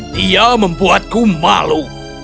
dia membuatku malu